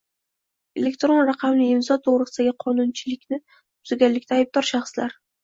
Elektron raqamli imzo to‘g‘risidagi qonunchilikni buzganlikda aybdor shaxslar